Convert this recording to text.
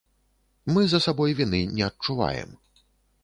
Мы за сабой віны не адчуваем.